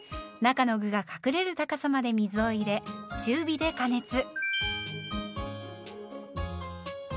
中の具が隠れる高さまで水を入れ中火で加熱。